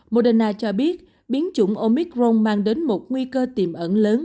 moderna cho biết biến chủng omicron mang đến một nguy cơ tiềm ẩn lớn